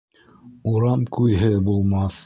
Урам күҙһеҙ булмаҫ